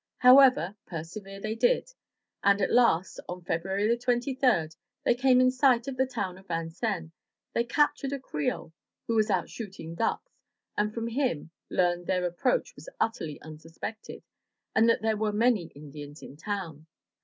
However, persevere they did, and at last, on February 23, they came in sight of the town of Vincennes. They captured a Creole who was out shooting ducks, and from him learned that their approach was utterly unsus pected, and that there were many Indians in town.